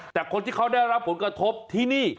แต่คนที่เขาได้รับผลกระทบที่นี่